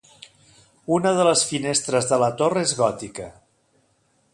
Una de les finestres de la torre és gòtica.